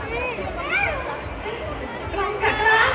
รับค่ะ